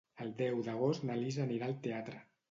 El deu d'agost na Lis anirà al teatre.